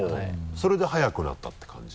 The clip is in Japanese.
それで速くなったって感じ？